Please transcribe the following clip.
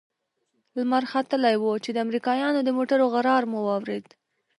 لمر ختلى و چې د امريکايانو د موټرو غرهار مو واورېد.